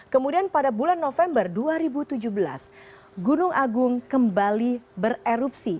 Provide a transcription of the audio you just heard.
kemudian pada bulan november dua ribu tujuh belas gunung agung kembali bererupsi